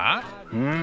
うん。